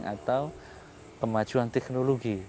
atau kemajuan teknologi